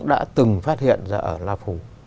đã từng phát hiện ra ở lạp hồ